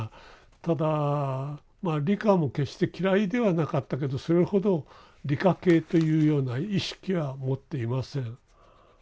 ただまあ理科も決して嫌いではなかったけどそれほど理科系というような意識は持っていません。